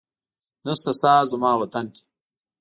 نسته ساه زما وطن کي